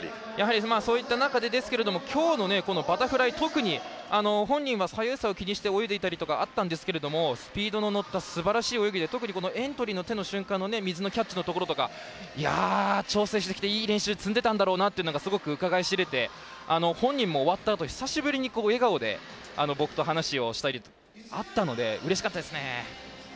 そういった中でですが今日のバタフライ特に本人は左右差を気にして泳いでいたりとかあったんですけどスピードの乗ったすばらしい泳ぎで特にエントリーのときの手の瞬間の水のキャッチのところとか調整してきていい練習をしてきたんだろうなというのがすごくうかがい知れて本人も終わったあと、笑顔で僕と話をしたりあったのでうれしかったですね。